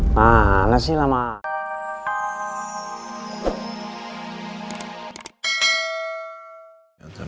mana sih lama